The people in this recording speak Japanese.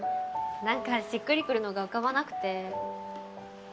なんかしっくりくるのが浮かばなくて。